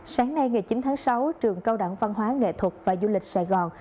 sáng nay ngày chín tháng sáu trường cao đẳng văn hóa nghệ thuật và du lịch sài gòn